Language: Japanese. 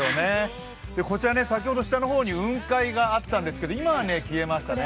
こちら先ほど下の方に雲海があったんですけど今は消えましたね。